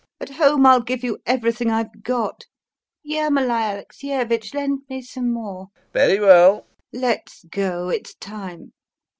At home I'll give you everything I've got. Ermolai Alexeyevitch, lend me some more!... LOPAKHIN. Very well. LUBOV. Let's go, it's time.